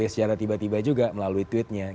secara tiba tiba juga melalui tweetnya